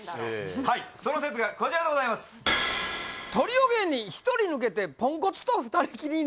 はいその説がこちらでございますなるほどね